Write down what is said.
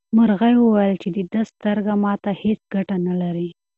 مرغۍ وویل چې د ده سترګه ماته هیڅ ګټه نه لري.